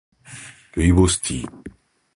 ルイボスティー